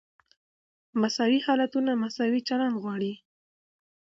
مساوي حالتونه مساوي چلند غواړي.